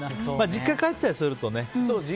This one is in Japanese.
実家に帰ったりするとね。